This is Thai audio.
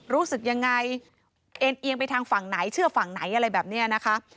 รู้สึกยังไงเอ็นเอียงไปทางฝั่งไหนเชื่อฝั่งไหนอะไรแบบนี้นะคะ